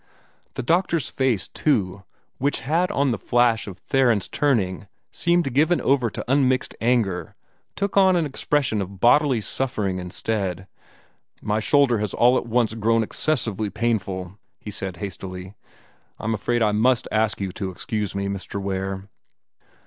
The doctor's face, too, which had on the flash of Theron's turning seemed given over to unmixed anger, took on an expression of bodily suffering instead. "My shoulder has grown all at once excessively painful," he said hastily. "I'm afraid I must ask you to excuse me, Mr. Ware."